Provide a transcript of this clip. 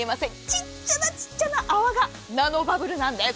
ちっちゃなちっちゃな泡がナノバブルなんです。